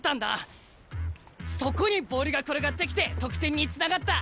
そこにボールが転がってきて得点につながった。